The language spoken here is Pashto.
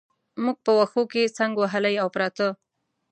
موږ په وښو کې څنګ وهلي او پراته.